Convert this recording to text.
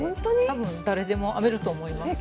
多分誰でも編めると思います。